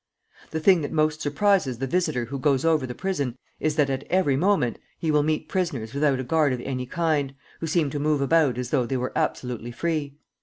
The thing that most surprises the visitor who goes over the prison is that, at every moment, he will meet prisoners without a guard of any kind, who seem to move about as though they were absolutely free.